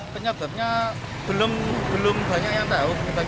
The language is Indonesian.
penyebabnya belum banyak yang tahu